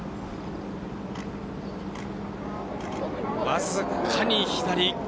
僅かに左。